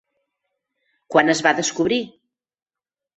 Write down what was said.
Quan es va descobrir?